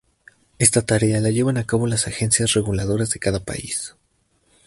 Esta tarea la llevan a cabo las agencias reguladoras de cada país.